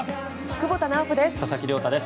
久保田直子です。